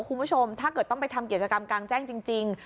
คุณผู้ชมถ้าเกิดต้องไปทำกิจกรรมกลางแจ้งจริง